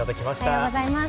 おはようございます。